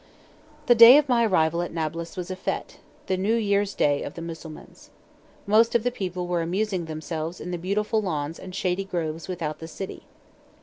The day of my arrival at Nablus was a fête—the new year's day of the Mussulmans. Most of the people were amusing themselves in the beautiful lawns and shady groves without the city.